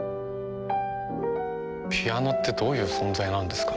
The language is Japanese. ピアノってどういう存在なんですかね？